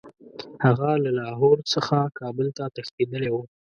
هغه له لاهور څخه کابل ته تښتېتدلی وو.